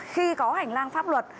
khi có hành lang pháp luật